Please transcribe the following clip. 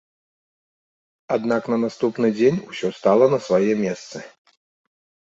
Аднак на наступны дзень усё стала на свае месцы.